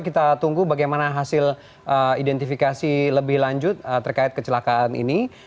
kita tunggu bagaimana hasil identifikasi lebih lanjut terkait kecelakaan ini